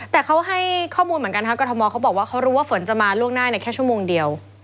แต่เขาให้ข้อมูลเหมือนกันกรทมเขาบอกว่าเขารู้ว่าฝนจะมาล่วงหน้าในแค่ชั่วโมงเดียว